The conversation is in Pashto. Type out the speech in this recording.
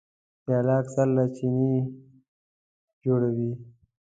پیاله اکثره له چیني جوړه وي.